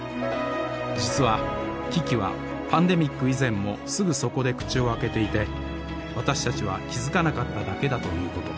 実は危機はパンデミック以前もすぐそこで口を開けていて私たちは気付かなかっただけだということ。